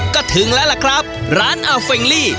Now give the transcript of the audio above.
ก็ถึงแล้วล่ะครับร้านอัลเฟงลี่